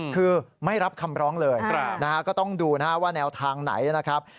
คือไม่รับคำร้องเลยนะฮะก็ต้องดูนะฮะว่าแนวทางไหนนะครับ